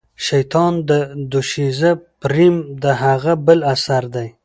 شیطان او دوشیزه پریم د هغه بل اثر دی.